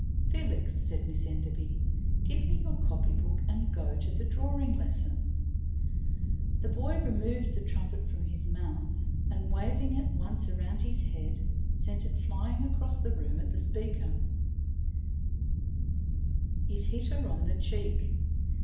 "Felix," said Miss Enderby, "give me your copy book and go to the drawing lesson." The boy removed the trumpet from his mouth, and, waving it once round his head, sent it flying across the room at the speaker; it hit her on the cheek.